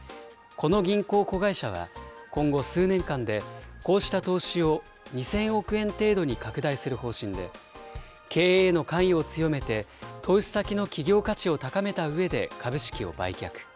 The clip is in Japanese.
この銀行子会社は、今後数年間でこうした投資を、２０００億円程度に拡大する方針で、経営への関与を強めて、投資先の企業価値を高めたうえで株式を売却。